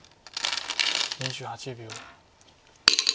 ２８秒。